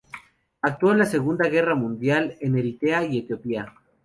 Actuó en la Segunda Guerra Mundial en Eritrea y Etiopía.